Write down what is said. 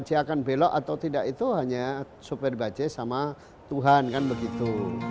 aceh akan belok atau tidak itu hanya sopir bajai sama tuhan kan begitu